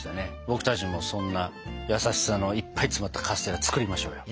僕たちもそんな優しさのいっぱい詰まったカステラ作りましょうよ。